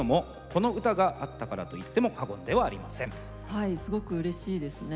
はいすごくうれしいですね。